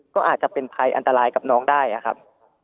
ก็อาจจะเป็นภัยอันตรายกับน้องได้ครับ